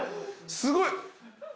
すごい！